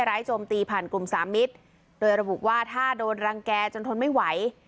โจมตีผ่านกลุ่มสามิตรโดยระบุว่าถ้าโดนรังแก่จนทนไม่ไหว